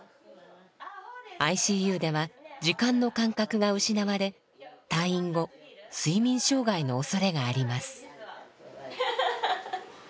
ＩＣＵでは時間の感覚が失われ退院後睡眠障害のおそれがあります。